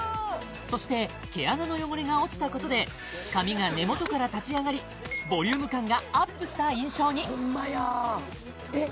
そして毛穴の汚れが落ちたことで髪が根元から立ち上がりボリューム感がアップした印象にホンマやえっ